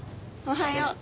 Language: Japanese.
おはよう。